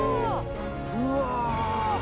うわ